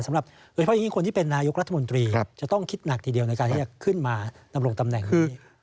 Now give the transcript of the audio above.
เพราะฉะนั้นคนที่เป็นนายุครัฐมนตรีจะต้องคิดหนักทีเดียวในการที่จะขึ้นมานำลงตำแหน่งนี้